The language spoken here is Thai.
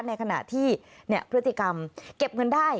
ในขณะที่พฤติกรรมเก็บเงินได้